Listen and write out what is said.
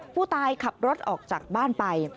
ผู้ตายขับรถออกจากบ้านไป